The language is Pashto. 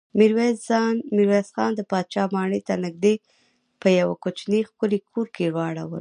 ميرويس خان د پاچا ماڼۍ ته نږدې په يوه کوچيني ښکلي کور کې واړول.